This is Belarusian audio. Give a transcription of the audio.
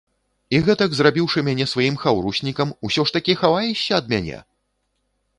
І гэтак зрабіўшы мяне сваім хаўруснікам, усё ж такі хаваешся ад мяне!